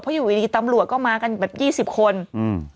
เพราะอยู่ดีดีตำรวจก็มากันแบบยี่สิบคนอืม